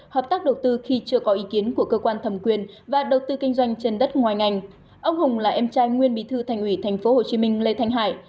hợp tác đầu tư khi chưa có ý kiến của cơ quan thẩm quyền và đầu tư kinh doanh trên đất ngoài ngành ông hùng là em trai nguyên bí thư thành ủy tp hcm lê thanh hải